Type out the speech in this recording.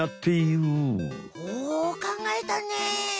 ほうかんがえたね！